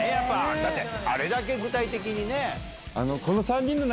だってあれだけ具体的にね。